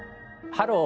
「ハロー！